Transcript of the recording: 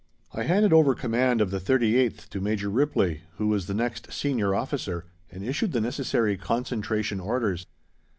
I handed over command of the 38th to Major Ripley, who was the next Senior Officer, and issued the necessary concentration orders.